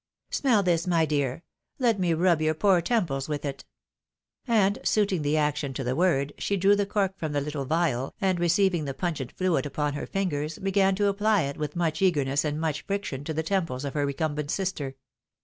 Smell this, my dear ; let me rub your poor temples with it !" And suiting the action to the word, she drew the cork from the little phial, and receiving the pungent fluid upon her fingers began to apply it with much eagerness and much friction to the temples of her recumbent sister.